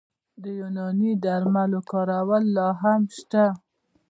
د یوناني درملو کارول لا هم شته.